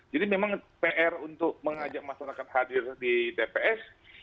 jadi memang pr untuk mengajak masyarakat hadir di pps